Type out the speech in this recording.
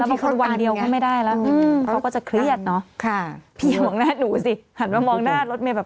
มีคนวันเดียวก็ไม่ได้แล้วเขาก็จะเครียดเนอะค่ะพี่มองหน้าหนูสิหันมามองหน้ารถเมย์แบบ